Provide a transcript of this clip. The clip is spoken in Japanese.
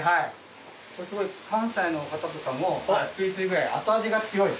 すごい関西の方とかもびっくりするぐらい。